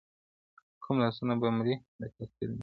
كوم لاسونه به مرۍ د قاتل نيسي-